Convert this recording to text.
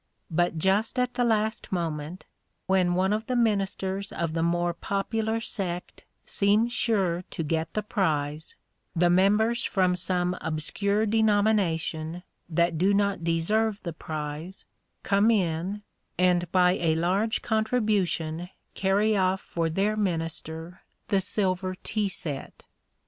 But, just at the last moment, when one of the ministers of the more popular sect seems sure to get the prize, the members from some obscure denomination, that do not deserve the prize, come in, and by a large contribution carry off for their minister the silver tea set.